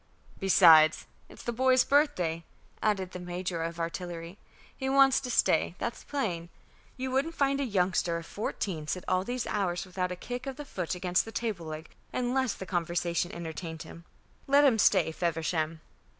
"Besides, it's the boy's birthday," added the major of artillery. "He wants to stay; that's plain. You wouldn't find a youngster of fourteen sit all these hours without a kick of the foot against the table leg unless the conversation entertained him. Let him stay, Feversham!"